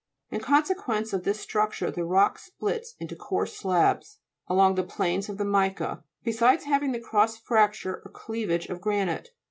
In con sequence of this structure the rock splits into coarse slabs, along the planes of the mica, besides having the cross fracture or cleavage of granite.